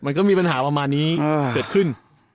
มันก็มีปัญหาประมาณนี้เกิดขึ้น